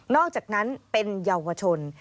อกจากนั้นเป็นเยาวชน